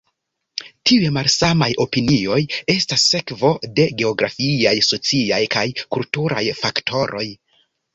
Tiuj malsamaj opinioj estas sekvo de geografiaj, sociaj kaj kulturaj faktoroj.